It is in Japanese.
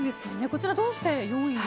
こちらどうして４位に？